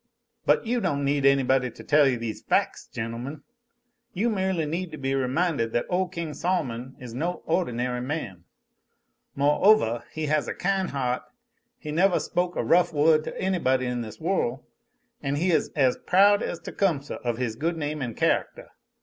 "But you don't need _any_body to tell these fac's, gentlemen," he continued. "You merely need to be reminded that ole King Sol'mon is no ohdinary man. Mo'ovah he has a kine heaht; he nevah spoke a rough wohd to anybody in this worl', an' he is as proud as Tecumseh of his good name an' charactah.